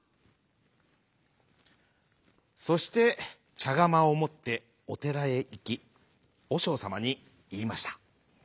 そしてちゃがまをもっておてらへいきおしょうさまにいいました。